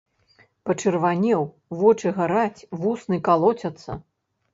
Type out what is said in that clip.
Пачырванеў, вочы гараць, вусны калоцяцца.